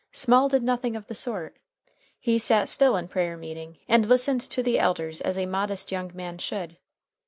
Small did nothing of the sort. He sat still in prayer meeting, and listened to the elders as a modest young man should.